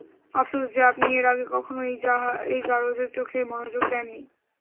আফসোস যে, আপনি এর আগে কখনও এই জারজের চোখে মনোযোগ দেননি।